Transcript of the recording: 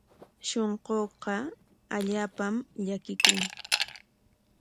Shunquuqa allaapam llakikun.